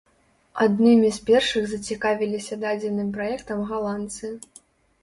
Аднымі з першых зацікавіліся дадзеным праектам галандцы.